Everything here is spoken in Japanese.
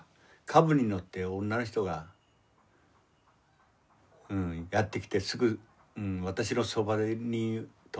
カブに乗って女の人がやって来てすぐ私のそばに止めて。